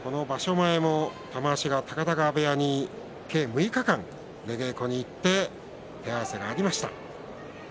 前、玉鷲、高田川部屋に出稽古に行って手合わせがありました。